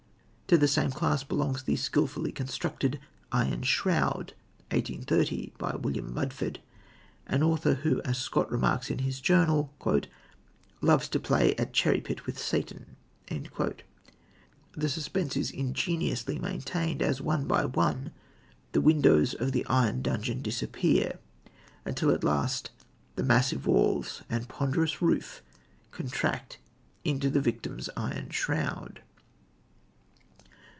To the same class belongs the skilfully constructed Iron Shroud (1830), by William Mudford, an author who, as Scott remarks in his journal, "loves to play at cherry pit with Satan." The suspense is ingeniously maintained as, one by one, the windows of the iron dungeon disappear, until, at last, the massive walls and ponderous roof contract into the victim's iron shroud.